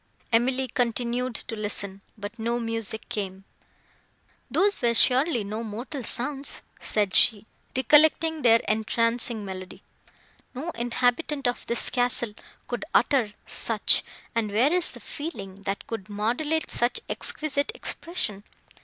Emily continued to listen, but no music came. "Those were surely no mortal sounds!" said she, recollecting their entrancing melody. "No inhabitant of this castle could utter such; and, where is the feeling, that could modulate such exquisite expression?